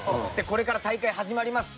「これから大会始まります。